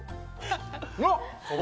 うわっ！